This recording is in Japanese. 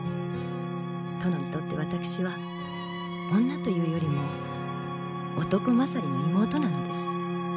殿にとって私は女というよりも男勝りな妹なのです。